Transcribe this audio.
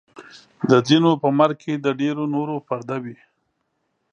د ځینو په مرګ کې د ډېرو نورو پرده وي.